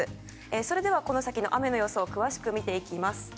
それでは、この先の雨の予想を詳しく見ていきます。